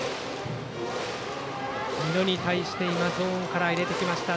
美濃に対してゾーンから入れてきた。